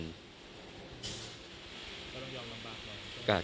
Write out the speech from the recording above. ก็ต้องยอมลำบากนะ